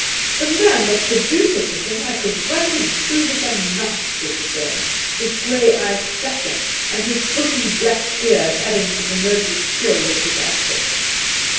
The man that could do such a thing I could run him through with a knife!" said the German, his grey eyes flashing, and his bushy black beard adding to the murderous fury of his aspect.